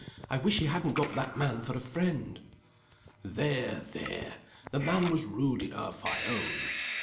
"I wish he hadn't got that man for a friend!" "There! there! the man was rude enough I own.